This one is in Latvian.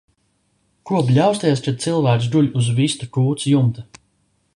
Ko bļausties, kad cilvēks guļ uz vistu kūts jumta?